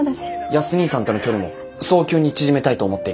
康にぃさんとの距離も早急に縮めたいと思っています。